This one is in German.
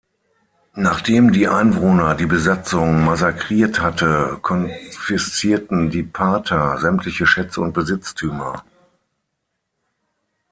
Nachdem die Einwohner die Besatzung massakriert hatte, konfiszierten die Parther sämtliche Schätze und Besitztümer.